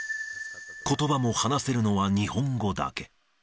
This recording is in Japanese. ことばも話せるのは日本語だけ。